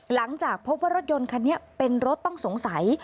หลังจากพบว่ารถยนต์คันนี้เป็นรถต้องสงสัย